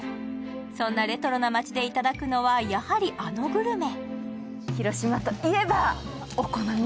そんなレトロな街でいただくのはやはりあのグルメ。